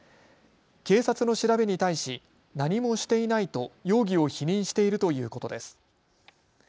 警察の調べに対し何もしていないと容疑を否認しているということです。